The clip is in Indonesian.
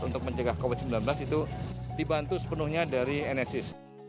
untuk mencegah covid sembilan belas itu dibantu sepenuhnya dari enesis